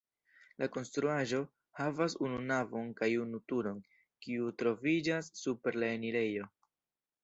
La konstruaĵo havas unu navon kaj unu turon, kiu troviĝas super la enirejo.